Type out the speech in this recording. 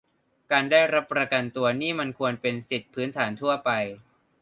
การได้รับประกันตัวนี่มันควรเป็นสิทธิพื้นฐานทั่วไป